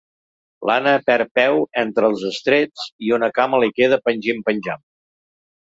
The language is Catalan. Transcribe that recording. L'Anna perd peu entre els estreps i una cama li queda pengim-penjam.